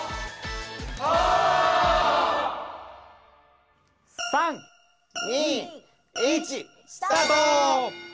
オ！３２１スタート！